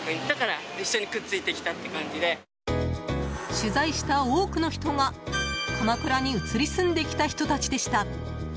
取材した多くの人が、鎌倉に移り住んできた人たちでした。